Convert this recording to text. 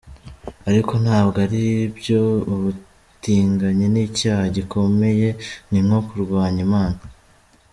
Ariko ntabwo aribyo ubutinganyi ni icyaha gikomeye ni nko kurwanya Imana”.